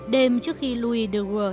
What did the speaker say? đêm trước khi louis de waal